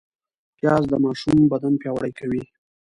پیاز د ماشوم بدن پیاوړی کوي